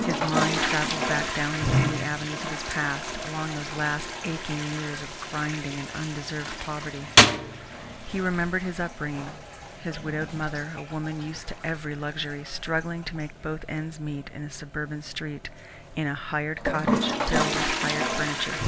His mind travelled back down the gloomy avenues of his past, along those last aching years of grinding and undeserved poverty. He remembered his upbringing, his widowed mother, a woman used to every luxury, struggling to make both ends meet in a suburban street, in a hired cottage filled with hired furniture.